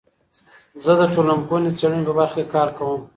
زه د ټولنپوهنې د څیړنې په برخه کې کار کوم.